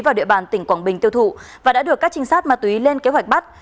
vào địa bàn tỉnh quảng bình tiêu thụ và đã được các trinh sát ma túy lên kế hoạch bắt